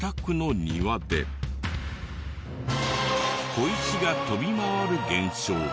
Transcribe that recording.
小石が飛び回る現象が。